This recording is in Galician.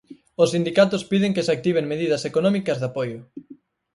Os sindicatos piden que se activen medidas económicas de apoio.